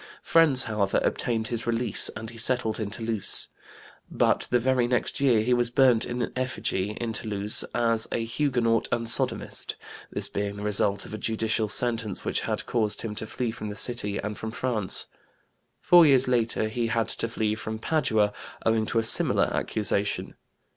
Friends, however, obtained his release and he settled in Toulouse. But the very next year he was burnt in effigy in Toulouse, as a Huguenot and sodomist, this being the result of a judicial sentence which had caused him to flee from the city and from France. Four years later he had to flee from Padua owing to a similar accusation.